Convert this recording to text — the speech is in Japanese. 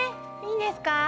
いいんですか？